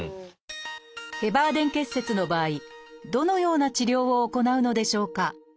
ヘバーデン結節の場合どのような治療を行うのでしょうか？